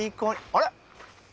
あれ？